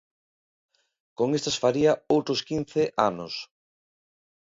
Con estes faría outros quince anos.